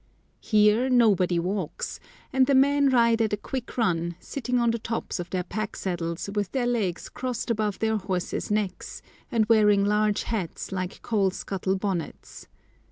Here nobody walks, and the men ride at a quick run, sitting on the tops of their pack saddles with their legs crossed above their horses' necks, and wearing large hats like coal scuttle bonnets.